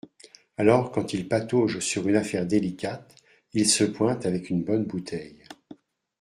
Alors quand il patauge sur une affaire délicate, il se pointe avec une bonne bouteille